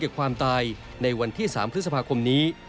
ความตายในวันที่๓พฤษภาคมนี้